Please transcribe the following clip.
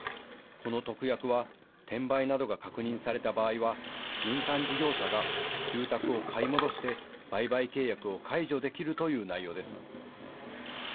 この特約は転売などが確認された場合は民間事業者が住宅を買い戻して売買契約を解除できるという内容です。